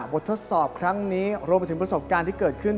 ทดสอบครั้งนี้รวมไปถึงประสบการณ์ที่เกิดขึ้น